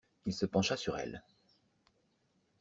Il se pencha sur elle.